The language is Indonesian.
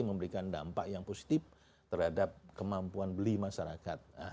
memberikan dampak yang positif terhadap kemampuan beli masyarakat